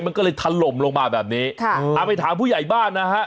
มันก็เลยถล่มลงมาแบบนี้ค่ะเอาไปถามผู้ใหญ่บ้านนะฮะ